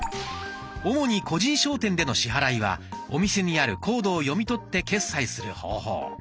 主に個人商店での支払いはお店にあるコードを読み取って決済する方法。